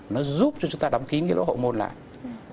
nó giúp cho chúng ta đóng kín cái lỗ hộ môn lại